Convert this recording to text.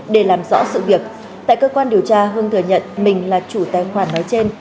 để làm rõ sự việc tại cơ quan điều tra hưng thừa nhận mình là chủ tài khoản nói trên